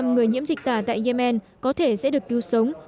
chín mươi chín người nhiễm dịch tả tại yemen có thể sẽ được cứu sống